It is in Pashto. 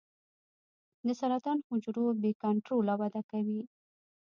د سرطان حجرو بې کنټروله وده کوي.